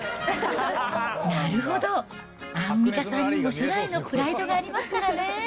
なるほど、アンミカさんにも初代のプライドがありますからね。